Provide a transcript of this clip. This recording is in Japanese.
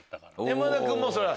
山田君もそれは？